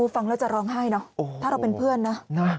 ฟังแล้วจะร้องไห้เนอะถ้าเราเป็นเพื่อนนะ